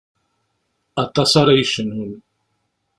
Aṭas ara yecnun.